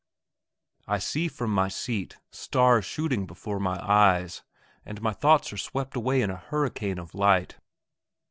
I see from my seat stars shooting before my eyes, and my thoughts are swept away in a hurricane of light....